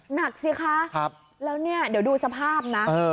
หนักสิคะแล้วเนี่ยเดี๋ยวดูสภาพนะ